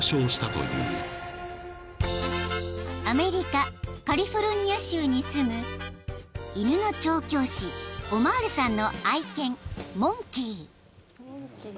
［アメリカカリフォルニア州に住む犬の調教師オマールさんの愛犬モンキー］